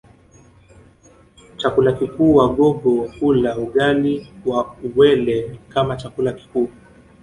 Chakula kikuu Wagogo hula ugali wa uwele kama chakula kikuu